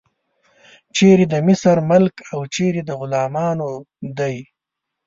چیرې د مصر ملک او چیرې د غلامانو دی.